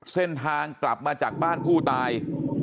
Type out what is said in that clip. เส้นทางกลับมาจากบ้านผู้ตาย